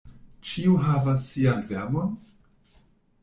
Ĉiu havas sian vermon.